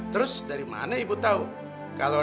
terus dari mana ibu tahu